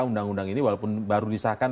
undang undang ini walaupun baru disahkan